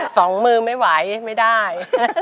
สองมือไม่ไหวไม่ได้